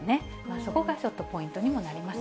そこがちょっとポイントにもなります。